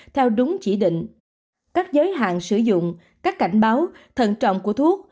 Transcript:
theo đúng chỉ định các giới hạn sử dụng các cảnh báo thận trọng của thuốc